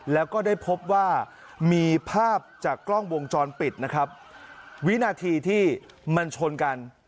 แล้วก็ได้พบว่ามีภาพจากกล้องวงจรปิดนะครับวินาทีที่มันชนกัน